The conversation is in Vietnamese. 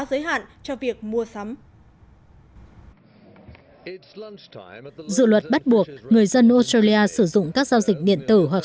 giới hạn cho việc mua sắm dự luật bắt buộc người dân australia sử dụng các giao dịch điện tử hoặc